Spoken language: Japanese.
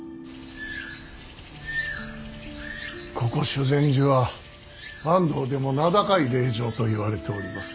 ここ修善寺は坂東でも名高い霊場といわれております。